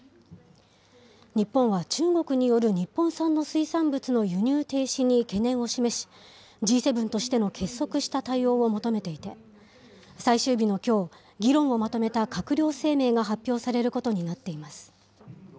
日本は中国による日本産の水産物の輸入停止に懸念を示し、Ｇ７としての結束した対応を求めていて、最終日のきょう、議論をまとめた閣僚声明が発表されることになっています。